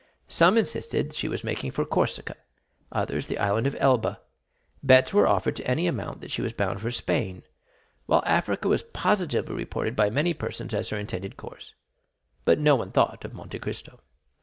Some insisted she was making for Corsica, others the Island of Elba; bets were offered to any amount that she was bound for Spain; while Africa was positively reported by many persons as her intended course; but no one thought of Monte Cristo.